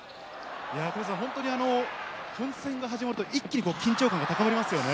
いや、田臥さん、本当に本戦が始まると一気に緊張感が高まりますよね。